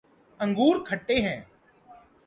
انگور کھٹے ہیں